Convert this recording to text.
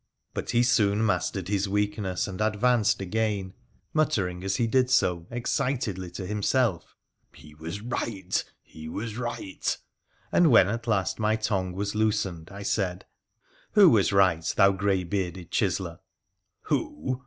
But he soon mastered his weakness and advanced again, muttering, as he did so, excitedly to himself, ' He was right ! He was right !' And when at last my tongue was loosened, I said :—' Who was right, thou grey bearded chiseller ?' 'Who?